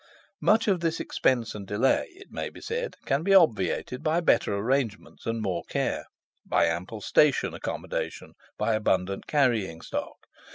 "Much of this expense and delay, it may be said, can be obviated by better arrangements and more care; by ample station accommodation, by abundant carrying stock.